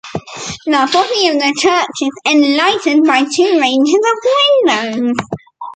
The body of the church is enlightened by two ranges of windows.